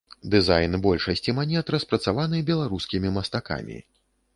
Дызайн большасці манет распрацаваны беларускімі мастакамі.